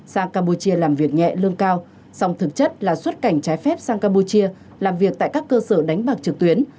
sang campuchia làm việc nhẹ lương cao song thực chất là xuất cảnh trái phép sang campuchia làm việc tại các cơ sở đánh bạc trực tuyến